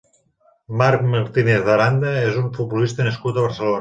Marc Martínez Aranda és un futbolista nascut a Barcelona.